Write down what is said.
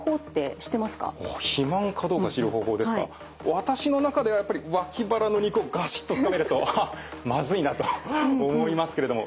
私の中ではやっぱり脇腹の肉をガシッとつかめるとあっまずいなと思いますけれども。